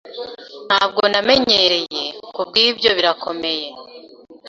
Ntabwo namenyereye, kubwibyo birakomeye.